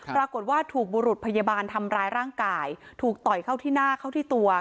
ปรากฏว่าถูกบุรุษพยาบาลทำร้ายร่างกายถูกต่อยเข้าที่หน้าเข้าที่ตัว